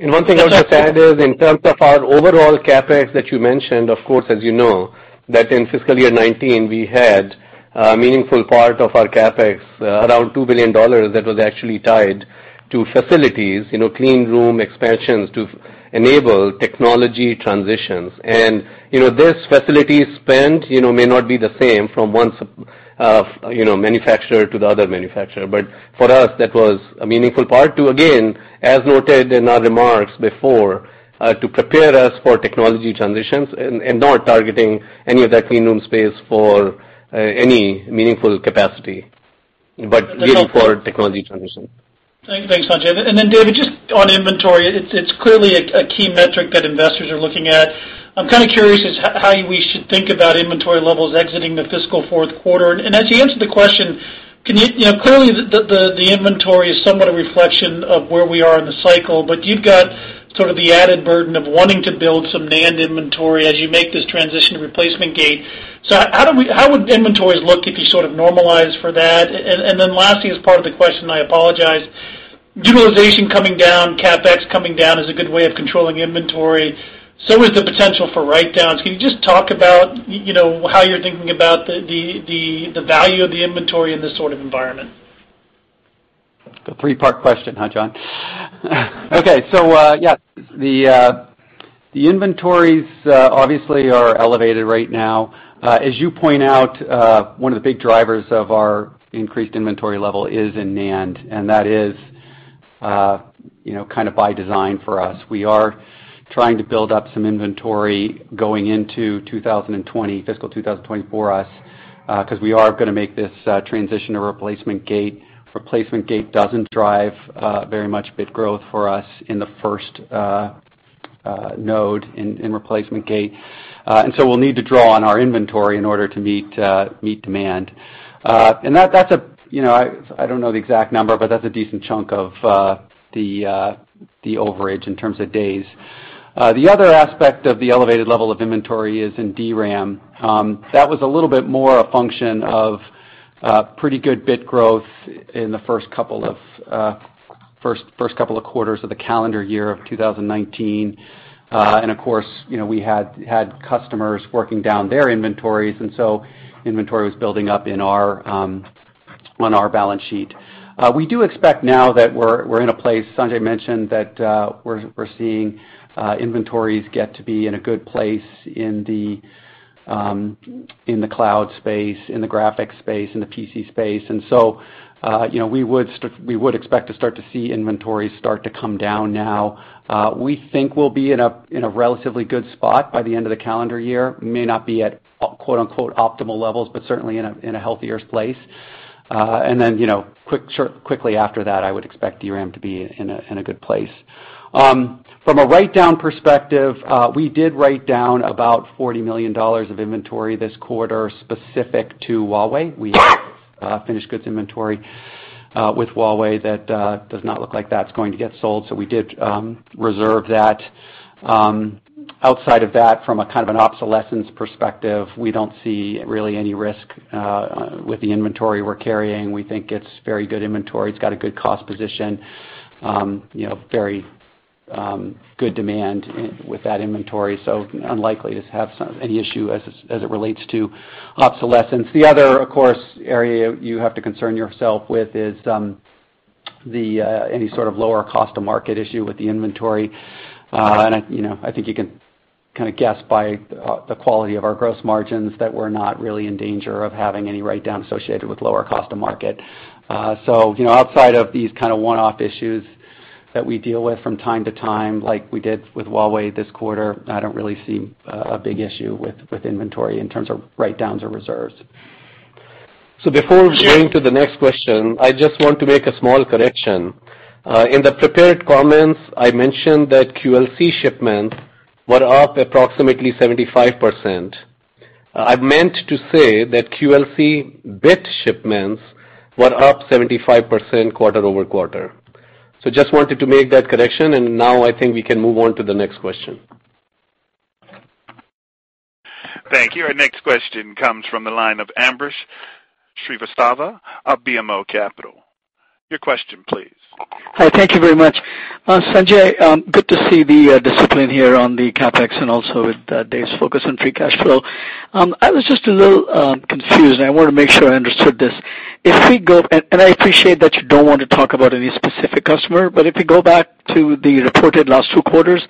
One thing I would just add is in terms of our overall CapEx that you mentioned, of course, as you know, that in fiscal year 2019, we had a meaningful part of our CapEx, around $2 billion, that was actually tied to facilities, clean room expansions to enable technology transitions. This facility spend may not be the same from one manufacturer to the other manufacturer. For us, that was a meaningful part to, again, as noted in our remarks before, to prepare us for technology transitions and not targeting any of that clean room space for any meaningful capacity, but really for technology transition. Thanks, Sanjay. David, just on inventory, it's clearly a key metric that investors are looking at. I'm kind of curious as how we should think about inventory levels exiting the fiscal fourth quarter. As you answered the question, clearly, the inventory is somewhat a reflection of where we are in the cycle, but you've got sort of the added burden of wanting to build some NAND inventory as you make this transition to replacement gate. How would inventories look if you sort of normalize for that? Lastly, as part of the question, I apologize, utilization coming down, CapEx coming down is a good way of controlling inventory. Is the potential for write-downs. Can you just talk about how you're thinking about the value of the inventory in this sort of environment? A three-part question, huh, John? Okay. Yeah, the inventories obviously are elevated right now. As you point out, one of the big drivers of our increased inventory level is in NAND, and that is kind of by design for us. We are trying to build up some inventory going into fiscal 2020 for us, because we are going to make this transition to replacement gate. Replacement gate doesn't drive very much bit growth for us in the first node in replacement gate. We'll need to draw on our inventory in order to meet demand. I don't know the exact number, but that's a decent chunk of the overage in terms of days. The other aspect of the elevated level of inventory is in DRAM. That was a little bit more a function of pretty good bit growth in the first couple of quarters of the calendar year of 2019. Of course, we had customers working down their inventories, and so inventory was building up on our balance sheet. We do expect now that we're in a place, Sanjay mentioned, that we're seeing inventories get to be in a good place in the cloud space, in the graphics space, in the PC space. We would expect to start to see inventories start to come down now. We think we'll be in a relatively good spot by the end of the calendar year. May not be at "optimal levels," but certainly in a healthier place. Then, quickly after that, I would expect DRAM to be in a good place. From a write-down perspective, we did write down about $40 million of inventory this quarter specific to Huawei. We had finished goods inventory with Huawei that does not look like that's going to get sold, so we did reserve that. Outside of that, from a kind of an obsolescence perspective, we don't see really any risk with the inventory we're carrying. We think it's very good inventory. It's got a good cost position. Very good demand with that inventory, so unlikely to have any issue as it relates to obsolescence. The other, of course, area you have to concern yourself with is any sort of lower cost to market issue with the inventory. I think you can kind of guess by the quality of our gross margins that we're not really in danger of having any write-down associated with lower cost to market. Outside of these kind of one-off issues that we deal with from time to time, like we did with Huawei this quarter, I don't really see a big issue with inventory in terms of write-downs or reserves. Before going to the next question, I just want to make a small correction. In the prepared comments, I mentioned that QLC shipments were up approximately 75%. I meant to say that QLC bit shipments were up 75% quarter-over-quarter. Just wanted to make that correction, and now I think we can move on to the next question. Thank you. Our next question comes from the line of Ambrish Srivastava of BMO Capital. Your question please. Hi. Thank you very much. Sanjay, good to see the discipline here on the CapEx and also with Dave's focus on free cash flow. I was just a little confused, and I want to make sure I understood this. I appreciate that you don't want to talk about any specific customer, but if you go back to the reported last two quarters,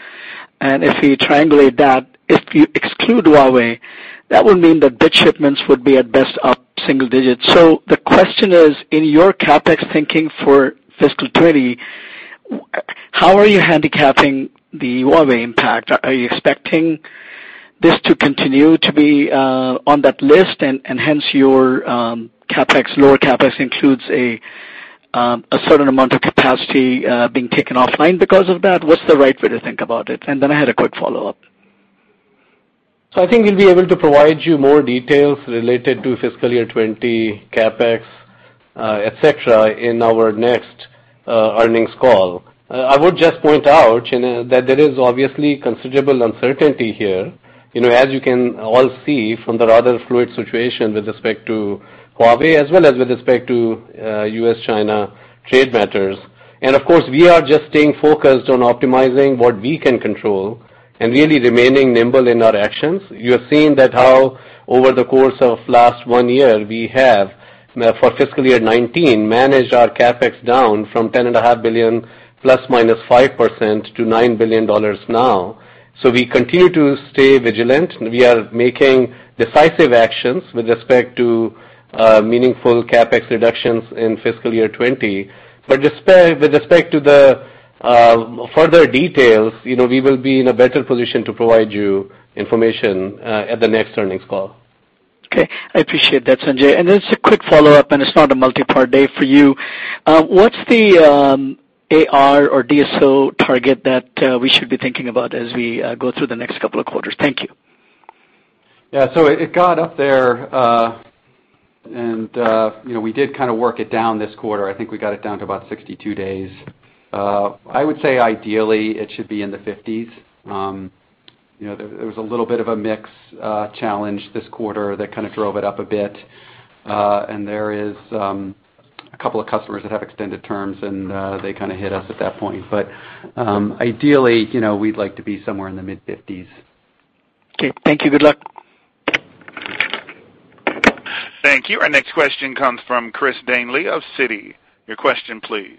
if you triangulate that, if you exclude Huawei, that would mean that bit shipments would be at best up single digits. The question is, in your CapEx thinking for fiscal 2020, how are you handicapping the Huawei impact? Are you expecting this to continue to be on that list and hence your lower CapEx includes a certain amount of capacity being taken offline because of that? What's the right way to think about it? Then I had a quick follow-up. I think we'll be able to provide you more details related to fiscal year 2020, CapEx, et cetera, in our next earnings call. I would just point out that there is obviously considerable uncertainty here. As you can all see from the rather fluid situation with respect to Huawei as well as with respect to U.S.-China trade matters. Of course, we are just staying focused on optimizing what we can control and really remaining nimble in our actions. You have seen that how over the course of last one year, we have, for fiscal year 2019, managed our CapEx down from $10.5 billion, ±5%, to $9 billion now. We continue to stay vigilant, and we are making decisive actions with respect to meaningful CapEx reductions in fiscal year 2020. With respect to the further details, we will be in a better position to provide you information at the next earnings call. Okay. I appreciate that, Sanjay. Just a quick follow-up, and it's not a multi-part day for you. What's the AR or DSO target that we should be thinking about as we go through the next couple of quarters? Thank you. Yeah. It got up there, and we did kind of work it down this quarter. I think we got it down to about 62 days. I would say ideally it should be in the 50s. There was a little bit of a mix challenge this quarter that kind of drove it up a bit. There is a couple of customers that have extended terms, and they kind of hit us at that point. Ideally, we'd like to be somewhere in the mid-50s. Okay. Thank you. Good luck. Thank you. Our next question comes from Christopher Danely of Citi. Your question please.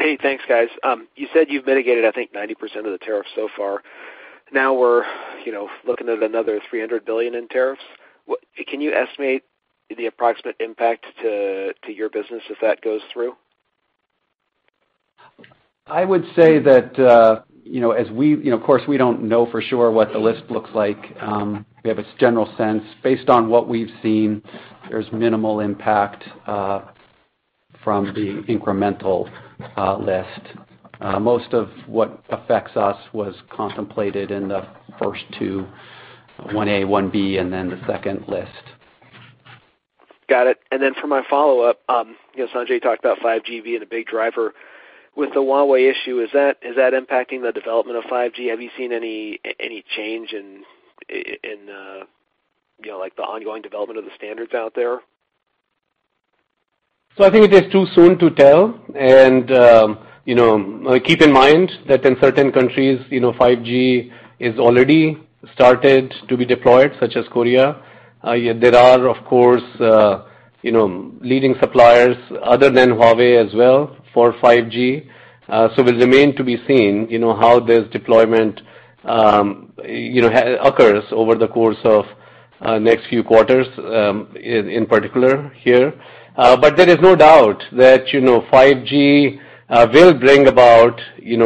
Hey. Thanks, guys. You said you've mitigated, I think, 90% of the tariffs so far. Now we're looking at another $300 billion in tariffs. Can you estimate the approximate impact to your business if that goes through? I would say that of course we don't know for sure what the list looks like. We have a general sense. Based on what we've seen, there's minimal impact from the incremental list. Most of what affects us was contemplated in the first two, 1A, 1B, and then the second list. Got it. For my follow-up, Sanjay talked about 5G being a big driver. With the Huawei issue, is that impacting the development of 5G? Have you seen any change in the ongoing development of the standards out there? I think it is too soon to tell, keep in mind that in certain countries, 5G is already started to be deployed, such as Korea. There are, of course, leading suppliers other than Huawei as well for 5G. It will remain to be seen how this deployment occurs over the course of next few quarters, in particular here. There is no doubt that 5G will bring about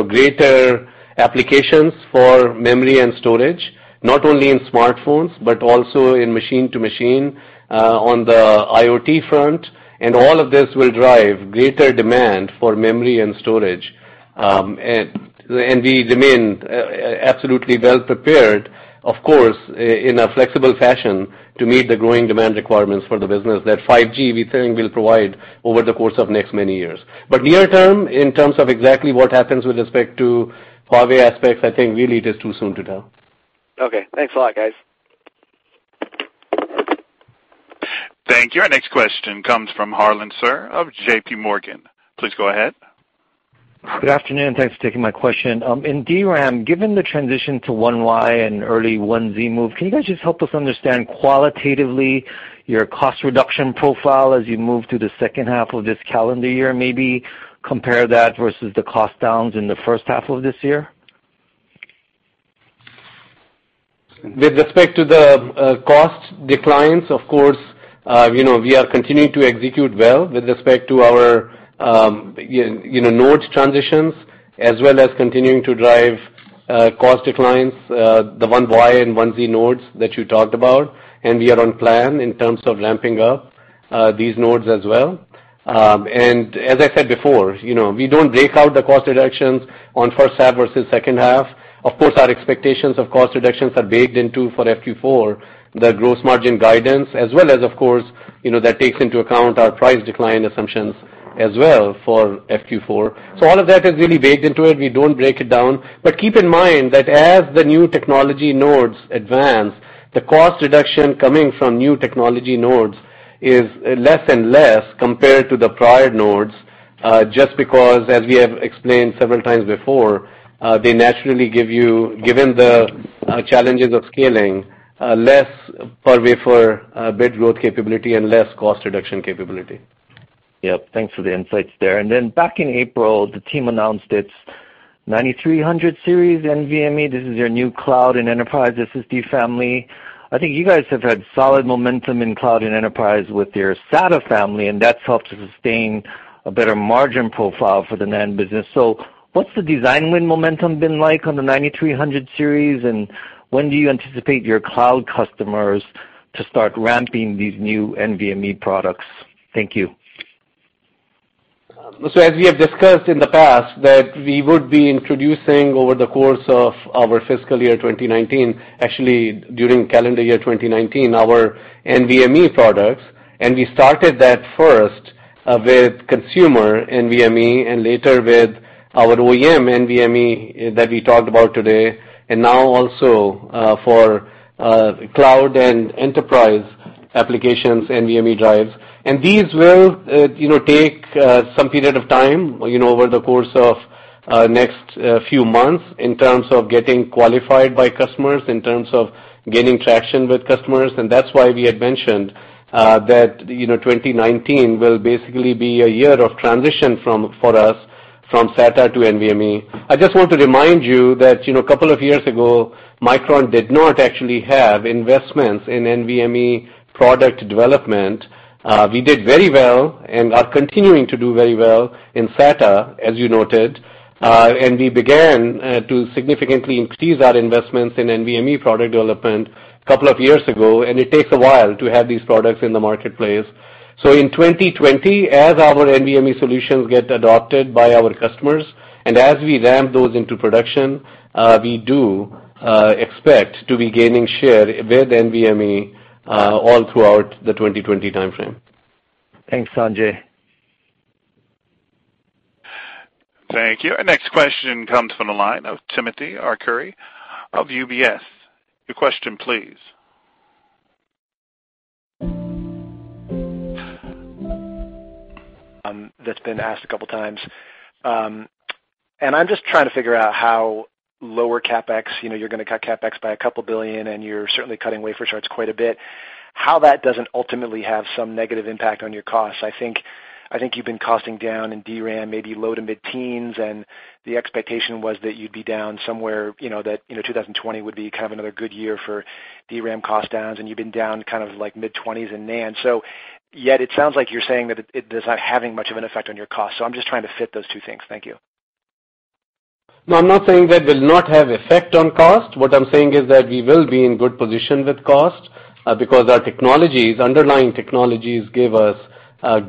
greater applications for memory and storage, not only in smartphones, but also in machine-to-machine on the IoT front. All of this will drive greater demand for memory and storage. We remain absolutely well-prepared, of course, in a flexible fashion, to meet the growing demand requirements for the business that 5G, we think, will provide over the course of next many years. Near term, in terms of exactly what happens with respect to Huawei aspects, I think really it is too soon to tell. Okay. Thanks a lot, guys. Thank you. Our next question comes from Harlan Sur of J.P. Morgan. Please go ahead. Good afternoon, and thanks for taking my question. In DRAM, given the transition to 1Y and early 1Z move, can you guys just help us understand qualitatively your cost reduction profile as you move to the second half of this calendar year, maybe compare that versus the cost-downs in the first half of this year? With respect to the cost declines, of course, we are continuing to execute well with respect to our node transitions as well as continuing to drive cost declines, the 1Y and 1Z nodes that you talked about, and we are on plan in terms of ramping up these nodes as well. As I said before, we don't break out the cost reductions on first half versus second half. Of course, our expectations of cost reductions are baked into for FQ4, the gross margin guidance, as well as, of course, that takes into account our price decline assumptions as well for FQ4. All of that is really baked into it. We don't break it down. Keep in mind that as the new technology nodes advance, the cost reduction coming from new technology nodes is less and less compared to the prior nodes, just because, as we have explained several times before, they naturally give you, given the challenges of scaling, less per wafer bit growth capability and less cost reduction capability. Yep, thanks for the insights there. Back in April, the team announced its 9300 series NVMe. This is your new cloud and enterprise SSD family. I think you guys have had solid momentum in cloud and enterprise with your SATA family, and that's helped to sustain a better margin profile for the NAND business. What's the design win momentum been like on the 9300 series, and when do you anticipate your cloud customers to start ramping these new NVMe products? Thank you. As we have discussed in the past that we would be introducing over the course of our fiscal year 2019, actually during calendar year 2019, our NVMe products, we started that first with consumer NVMe and later with our OEM NVMe that we talked about today, and now also for cloud and enterprise applications NVMe drives. These will take some period of time over the course of next few months in terms of getting qualified by customers, in terms of gaining traction with customers, and that's why we had mentioned that 2019 will basically be a year of transition for us from SATA to NVMe. I just want to remind you that a couple of years ago, Micron did not actually have investments in NVMe product development. We did very well and are continuing to do very well in SATA, as you noted, and we began to significantly increase our investments in NVMe product development a couple of years ago, and it takes a while to have these products in the marketplace. In 2020, as our NVMe solutions get adopted by our customers, and as we ramp those into production, we do expect to be gaining share with NVMe, all throughout the 2020 timeframe. Thanks, Sanjay. Thank you. Our next question comes from the line of Timothy Arcuri of UBS. Your question, please. That's been asked a couple of times. I'm just trying to figure out how lower CapEx, you're going to cut CapEx by a couple of billion, and you're certainly cutting wafer starts quite a bit, how that doesn't ultimately have some negative impact on your costs. I think you've been costing down in DRAM, maybe low to mid-teens, and the expectation was that you'd be down somewhere, that 2020 would be kind of another good year for DRAM cost-downs, and you've been down mid-20s in NAND. Yet it sounds like you're saying that it is not having much of an effect on your cost. I'm just trying to fit those two things. Thank you. No, I'm not saying that will not have effect on cost. What I'm saying is that we will be in good position with cost because our technologies, underlying technologies, give us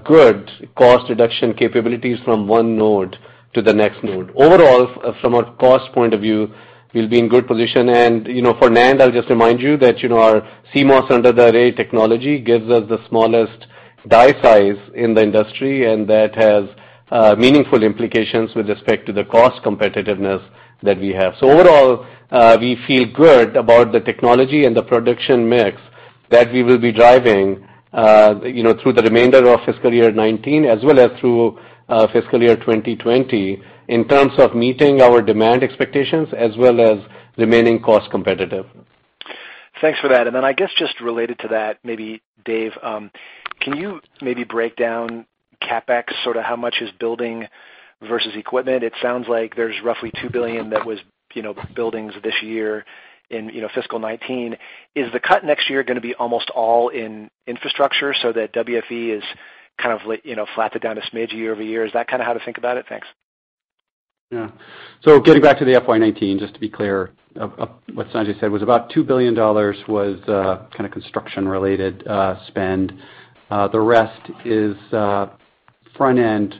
good cost reduction capabilities from one node to the next node. Overall, from a cost point of view, we'll be in good position. For NAND, I'll just remind you that our CMOS under the array technology gives us the smallest die size in the industry, and that has meaningful implications with respect to the cost competitiveness that we have. Overall, we feel good about the technology and the production mix that we will be driving through the remainder of fiscal year 2019 as well as through fiscal year 2020 in terms of meeting our demand expectations as well as remaining cost competitive. Thanks for that. I guess just related to that, maybe Dave, can you maybe break down CapEx, sort of how much is building versus equipment? It sounds like there's roughly $2 billion that was buildings this year in fiscal 2019. Is the cut next year going to be almost all in infrastructure so that WFE is kind of flatted down a smidge year-over-year? Is that kind of how to think about it? Thanks. Yeah. Getting back to the FY 2019, just to be clear, what Sanjay said was about $2 billion was kind of construction-related spend. The rest is front-end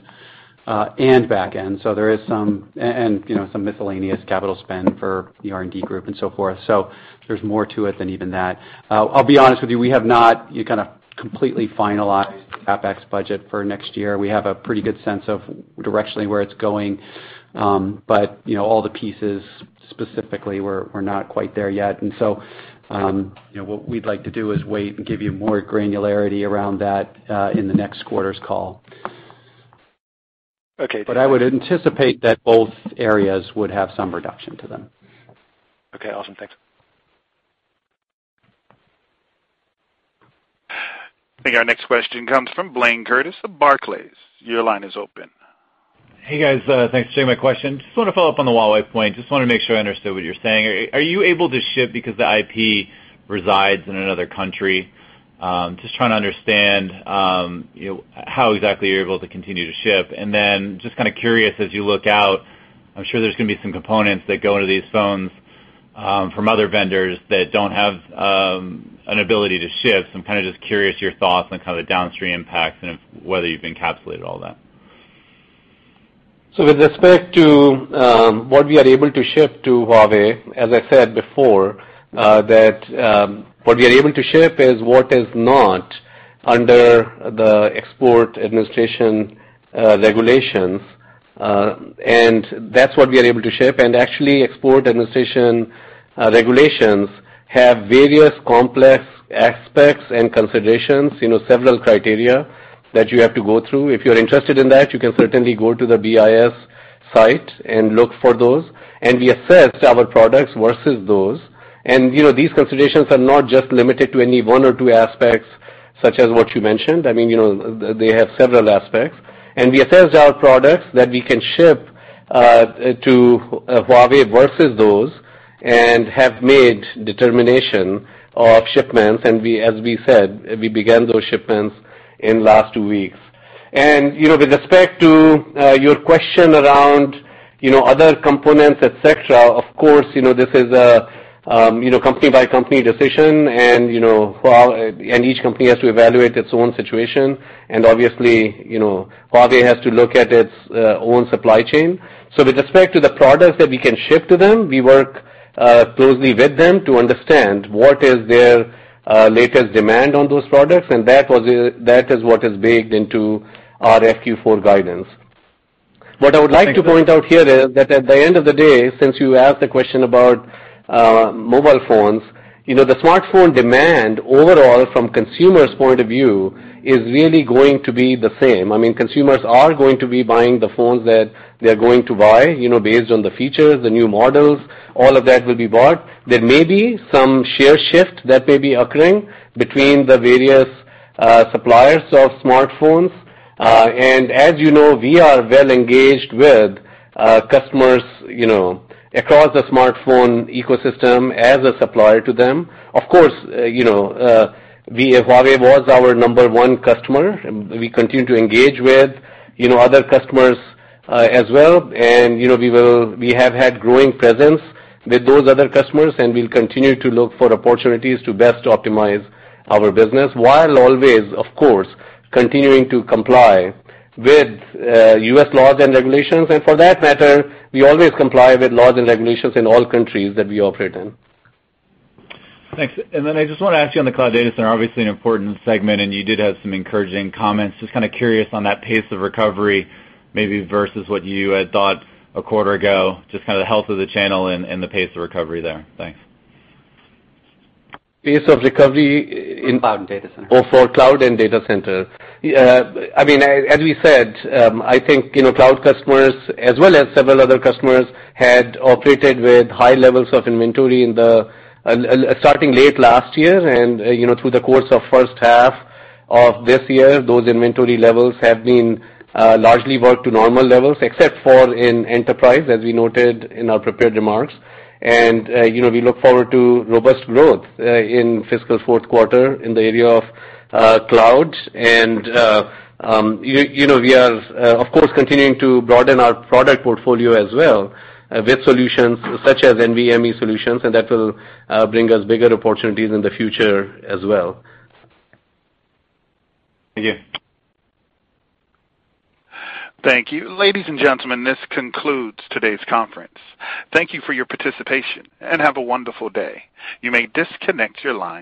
and back-end, and some miscellaneous capital spend for the R&D group and so forth. There's more to it than even that. I'll be honest with you, we have not kind of completely finalized CapEx budget for next year. We have a pretty good sense of directionally where it's going, but all the pieces specifically, we're not quite there yet. What we'd like to do is wait and give you more granularity around that in the next quarter's call. Okay. I would anticipate that both areas would have some reduction to them. Okay, awesome. Thanks. I think our next question comes from Blaine Curtis of Barclays. Your line is open. Hey, guys. Thanks for taking my question. Just want to follow up on the Huawei point. Just want to make sure I understood what you're saying. Are you able to ship because the IP resides in another country? Just trying to understand how exactly you're able to continue to ship. Just kind of curious as you look out, I'm sure there's going to be some components that go into these phones from other vendors that don't have an ability to ship. I'm kind of just curious your thoughts on kind of the downstream impacts and whether you've encapsulated all that. With respect to what we are able to ship to Huawei, as I said before, that what we are able to ship is what is not under the Export Administration Regulations, and that's what we are able to ship. Actually, Export Administration Regulations have various complex aspects and considerations, several criteria that you have to go through. If you're interested in that, you can certainly go to the BIS site and look for those. We assess our products versus those. These considerations are not just limited to any one or two aspects such as what you mentioned. They have several aspects. We assessed our products that we can ship to Huawei versus those and have made determination of shipments, and as we said, we began those shipments in last weeks. With respect to your question around other components, et cetera, of course, this is a company-by-company decision, and each company has to evaluate its own situation. Obviously, Huawei has to look at its own supply chain. With respect to the products that we can ship to them, we work closely with them to understand what is their latest demand on those products, and that is what is baked into our Q4 guidance. What I would like to point out here is that at the end of the day, since you asked the question about mobile phones, the smartphone demand overall from consumers' point of view is really going to be the same. Consumers are going to be buying the phones that they're going to buy based on the features, the new models, all of that will be bought. There may be some share shift that may be occurring between the various suppliers of smartphones. As you know, we are well engaged with customers across the smartphone ecosystem as a supplier to them. Of course, Huawei was our number one customer. We continue to engage with other customers as well, and we have had growing presence with those other customers, and we'll continue to look for opportunities to best optimize our business while always, of course, continuing to comply with U.S. laws and regulations. For that matter, we always comply with laws and regulations in all countries that we operate in. Thanks. I just want to ask you on the cloud data center, obviously an important segment, and you did have some encouraging comments. Just kind of curious on that pace of recovery, maybe versus what you had thought a quarter ago, just kind of the health of the channel and the pace of recovery there. Thanks. Pace of recovery in- Cloud and data center. Oh, for cloud and data center. As we said, I think cloud customers as well as several other customers had operated with high levels of inventory starting late last year and through the course of first half of this year. Those inventory levels have been largely worked to normal levels except for in enterprise, as we noted in our prepared remarks. We look forward to robust growth in fiscal fourth quarter in the area of cloud. We are, of course, continuing to broaden our product portfolio as well with solutions such as NVMe solutions, and that will bring us bigger opportunities in the future as well. Thank you. Thank you. Ladies and gentlemen, this concludes today's conference. Thank you for your participation and have a wonderful day. You may disconnect your lines.